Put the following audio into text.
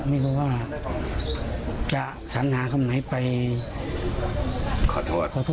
ไม่รู้ว่าจะสัญหาคำไหนไปขอโทษ